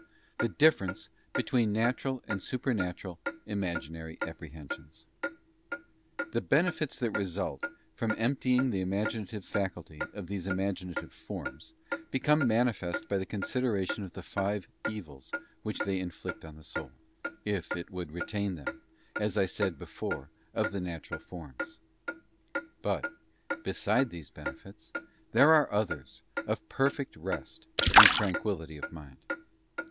The difference between the Natural and Supernatural Imaginary Apprehensions. Benefits of TuE benefits that result from emptying the imaginative Memory. faculty of these imaginary forms become manifest by the consideration of the five evils which they inflict on the soul, if it would retain them, as I said before of the natural forms. But, beside these benefits, there are others of perfect rest and tranquillity of mind.